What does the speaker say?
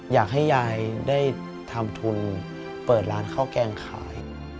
อยากให้ยายได้ทำทุนเปิดร้านข้าวแกงขาย